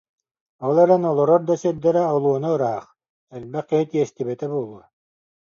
Ол эрэн олорор да сирдэрэ олуона ыраах, элбэх киһи тиэстибэтэ буолуо